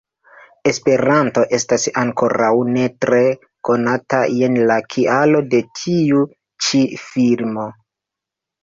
Esperanto estas ankoraŭ ne tre konata, jen la kialo de tiu ĉi filmo.